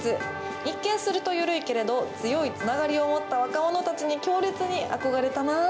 一見すると緩いけれど強いつながりを持った若者たちに強烈に憧れたなあ。